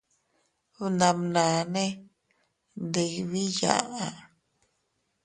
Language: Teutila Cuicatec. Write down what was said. Bnamnane ndibii yaʼa.